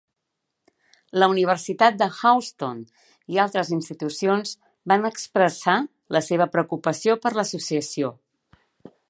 La Universitat de Houston i altres institucions van expressar la seva preocupació per l'associació.